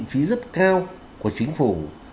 chí rất cao của chính phủ